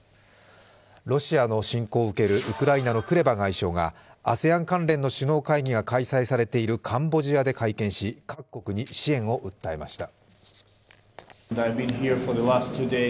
ロシアの侵攻を受けるウクライナのクレバ外相がＡＳＥＡＮ関連の首脳会議が開催しているカンボジアで会見し、各国に支援を訴えました。